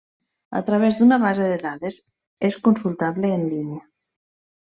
A través d'una base de dades és consultable en línia.